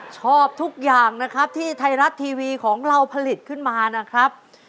ชอบทุกอย่างนะครับที่ไทยรัฐทีวีของเราผลิตขึ้นมานะครับ